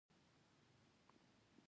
اوس ویلای شو چې کوم جوړښت عادلانه دی.